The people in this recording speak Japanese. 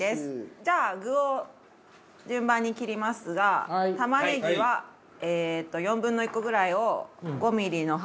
じゃあ具を順番に切りますが玉ねぎはえっと４分の１個ぐらいを。